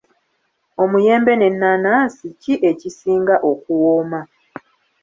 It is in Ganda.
Omuyembe n'ennaanansi ki ekisinga okuwooma